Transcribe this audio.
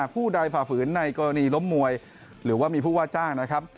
ผู้ใดฝ่าฝืนในกรณีล้มมวยหรือว่ามีผู้ว่าจ้างนะครับ